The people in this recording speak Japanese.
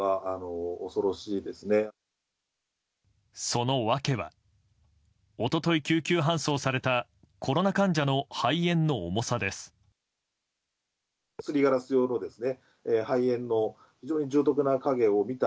その訳は一昨日、救急搬送されたコロナ患者の肺炎の重さです。